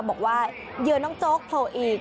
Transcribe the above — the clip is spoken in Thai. บอกว่าเยือน้องโจ๊กโพออีก